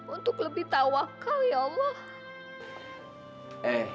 untuk lebih tawakal ya allah